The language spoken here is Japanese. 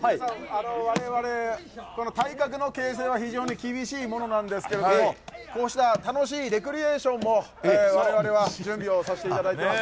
われわれ、体格の形成は非常に厳しいものなんですけど、こうした楽しいレクリエーションも、われわれは準備をさせていただいてます。